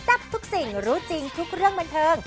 ทับทุกสิ่งรู้จริงทุกเรื่องบันเทิง